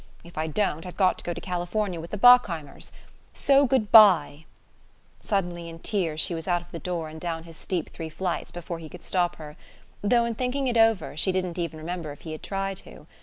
If I don't, I've got to go to California with the Bockheimers so good bye." Suddenly in tears, she was out of the door and down his steep three flights before he could stop her though, in thinking it over, she didn't even remember if he had tried to.